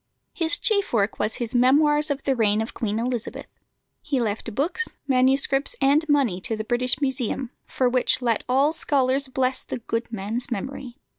His chief work was his Memoirs of the Reign of Queen Elizabeth. He left books, manuscripts, and money to the British Museum, for which let all scholars bless the good man's memory.